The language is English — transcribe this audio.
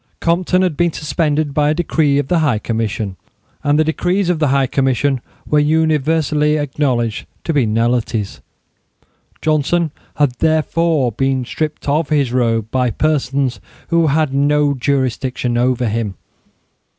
Compton had been suspended by a decree of the High Commission, and the decrees of the High Commission were universally acknowledged to be nullities. Johnson had therefore been stripped of his robe by persons who had no jurisdiction over him.